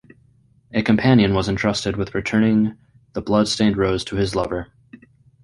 A companion was entrusted with returning the blood-stained rose to his lover.